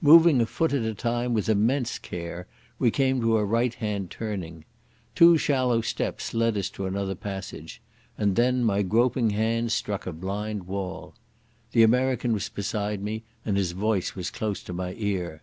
Moving a foot at a time with immense care, we came to a right hand turning. Two shallow steps led us to another passage, and then my groping hands struck a blind wall. The American was beside me, and his mouth was close to my ear.